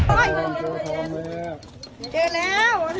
โอ๊ยเรียบรอบลืมบาทมาเย็น